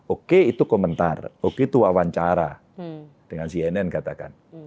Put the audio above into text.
oke itu komentar oke itu wawancara dengan cnn katakan